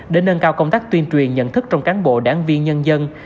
để nâng cao công tác tuyên truyền nhận thức trong cán bộ đảng viên nhân dân